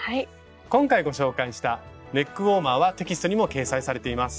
今回ご紹介したネックウォーマーはテキストにも掲載されています。